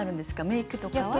メイクとかは？